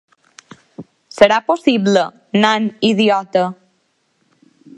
Serà possible, nan idiota!